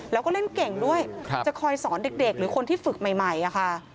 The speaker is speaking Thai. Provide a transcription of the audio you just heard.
แล้วก็เล่นเก่งด้วยจะคอยสอนเด็กหรือคนที่ฝึกใหม่ค่ะ